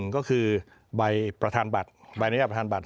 ก็คือใบประธานบัตรใบอนุญาตประธานบัตร